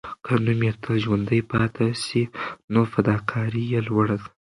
که نوم یې تل ژوندی پاتې سي، نو فداکاري یې لوړه ده.